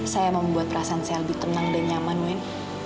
saya membuat perasaan saya lebih tenang dan nyaman win